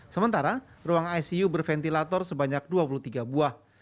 sementara ruang icu berventilator sebanyak dua puluh tiga buah